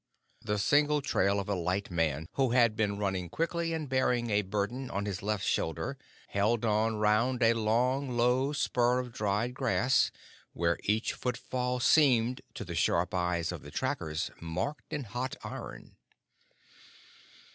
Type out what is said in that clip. The single trail of a light man who had been running quickly and bearing a burden on his left shoulder, held on round a long, low spur of dried grass, where each footfall seemed, to the sharp eyes of the trackers, marked in hot iron.